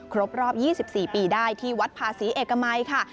ครบรอบ๒๔ปีได้ที่วัดภาษีเอกมัยค่ะ